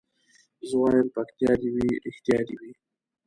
زه وايم پکتيا دي وي رښتيا دي وي